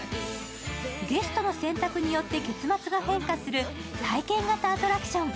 ゲストの選択によって結末が変化する体験型アトラクション。